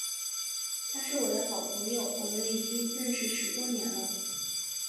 他是我的好朋友，我们已经认识十多年了。